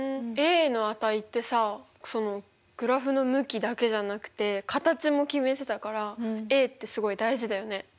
の値ってさグラフの向きだけじゃなくて形も決めてたからってすごい大事だよね。